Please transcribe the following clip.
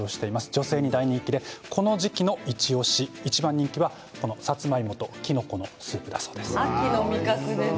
女性に大人気でこの時期のイチおし、一番人気はさつまいもときのこの秋の味覚でね。